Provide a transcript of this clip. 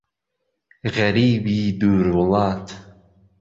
غەریبی دوور وڵات